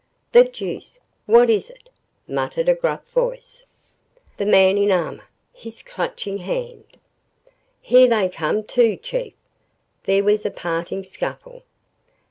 "The deuce! What is it?" muttered a gruff voice. "The man in armor!" hissed Clutching Hand. "Here they come, too, Chief!" There was a parting scuffle.